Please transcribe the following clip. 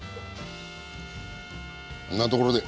こんなところで。